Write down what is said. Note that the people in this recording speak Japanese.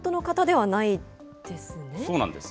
そうなんです。